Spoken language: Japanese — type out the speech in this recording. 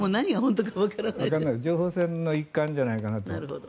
情報戦の一環じゃないかなと。